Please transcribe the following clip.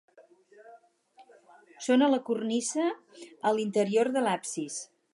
Són a la cornisa a l'interior de l'absis.